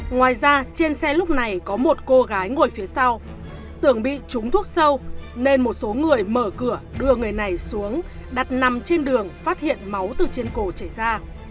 ngoài ra trên xe lúc này có một cô gái ngồi phía sau tưởng bị trúng thuốc sâu nên một số người mở cửa đưa người này xuống đặt nằm trên đường phát hiện máu từ trên cổ chảy ra